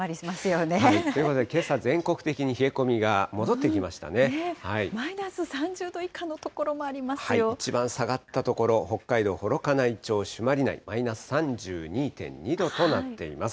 けさ、全国的に冷え込みが戻マイナス３０度以下の所もあ一番下がった所、北海道幌加内町朱鞠内マイナス３２．２度となっています。